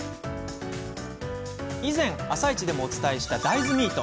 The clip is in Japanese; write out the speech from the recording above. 以前「あさイチ」でもお伝えした大豆ミート。